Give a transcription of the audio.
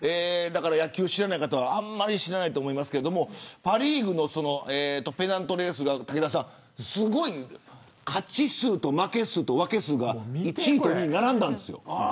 野球を知らない方はあんまり知らないと思いますがパ・リーグのペナントレースが勝ち数と負け数と分け数が１位と２位で並びました。